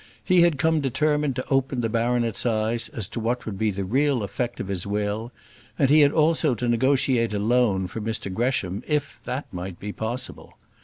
He had come determined to open the baronet's eyes as to what would be the real effect of his will, and he had also to negotiate a loan for Mr Gresham, if that might be possible.